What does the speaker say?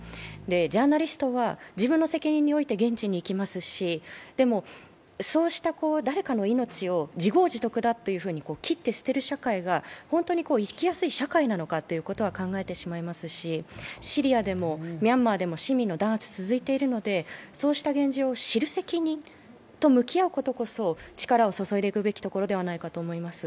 ジャーナリストは自分の責任において現地に行きますしでも、そうした誰かの命を自業自得だと切って捨てる社会が本当に生きやすい社会なのかということも考えてしまいますし、シリアでもミャンマーでも続いていますしそうした現状を知る責任にこそ力を注いでいくべきところではないかと思います。